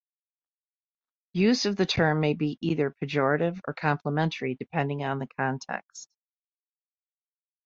Use of the term may be either pejorative or complimentary, depending on the context.